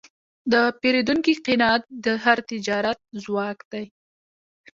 د پیرودونکي قناعت د هر تجارت ځواک دی.